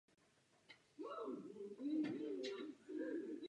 Doufám, že jménem komisaře Almunia tento problém objasníte.